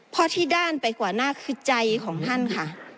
เพราะที่ด้านไปกว่าหน้าคือใจของท่านค่ะ